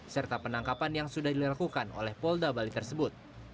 serta penangkapan yang sudah dilakukan oleh polda bali tersebut